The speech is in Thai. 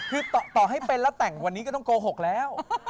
คือต่อให้เป็นแล้วแต่งวันนี้ก็ต้องโกหกแล้ว